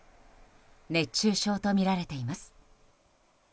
熱中症とみられています。